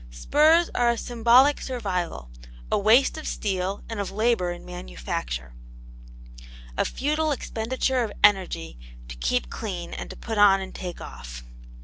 Spurs are a symbolic survival, a waste of steel and of labour in manufacture, a futile expenditure of energy to keep clean and to put on and take off.